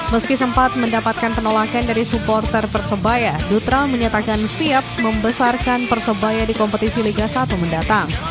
meski sempat mendapatkan penolakan dari supporter persebaya dutra menyatakan siap membesarkan persebaya di kompetisi liga satu mendatang